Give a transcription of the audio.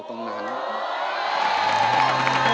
ผมร้องได้ให้ร้อง